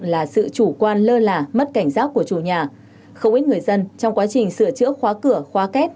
là sự chủ quan lơ là mất cảnh giác của chủ nhà không ít người dân trong quá trình sửa chữa khóa cửa khóa két